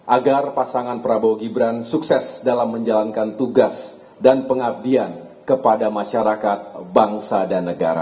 agar pasangan prabowo gibran sukses dalam menjalankan tugas dan pengabdian kepada masyarakat bangsa dan negara